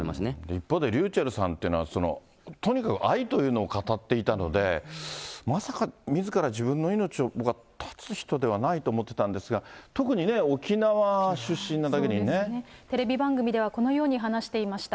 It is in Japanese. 一方で、ｒｙｕｃｈｅｌｌさんというのはとにかく愛というのを語っていたので、まさかみずから自分の命を僕は絶つ人ではないと思ってたんですが、テレビ番組では、このように話していました。